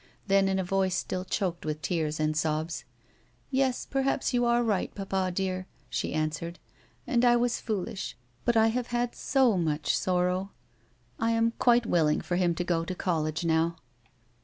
Then in a voice still choked with tears and sobs :" Yes, perhaps you are right, papa dear," she answered ;" and I was foolish ; but I have had so much sorrow. I am quite willing for him to go to college now."